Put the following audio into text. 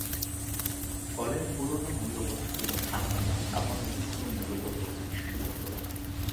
ফলে পুরোনো মূল্যবোধগুলো থাকল না, আবার নতুন কোনো মূল্যবোধও প্রতিষ্ঠিত হলো না।